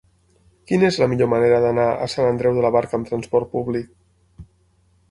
Quina és la millor manera d'anar a Sant Andreu de la Barca amb trasport públic?